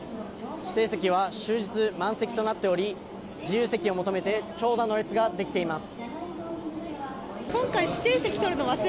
指定席は終日満席となっており自由席を求めて長蛇の列ができています。